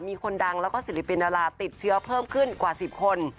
มีคนดังแล้วก็ศิลปินดาราติดเชื้อเพิ่มขึ้นกว่า๑๐คน